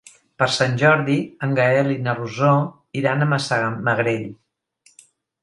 Per Sant Jordi en Gaël i na Rosó iran a Massamagrell.